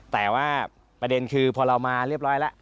แต่ว่าประเด็นคือพอเรามาเรียบร้อยแล้ว